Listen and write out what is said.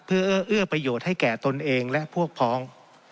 เพื่อเอื้อเอื้อประโยชน์ให้แก่ตนเองและพวกพ้อง